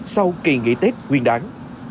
sau kỳ nghỉ tết nguyên đáng